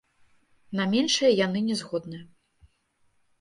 На меншае яны не згодныя.